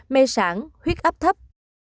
mê sản huyết ấp thấp